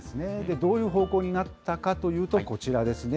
どういう方向になったかというと、こちらですね。